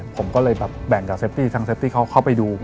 ผมก็เลยแบบแบ่งกับเซฟตี้ทางเซฟตี้เขาเข้าไปดู